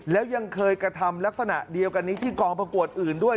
แล้วยังเคยกระทำลักษณะเดียวกันนี้ที่กองประกวดอื่นด้วย